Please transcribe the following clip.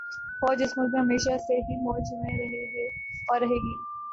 فوج اس ملک میں ہمیشہ سے ہی موج میں رہی ہے اور رہے گی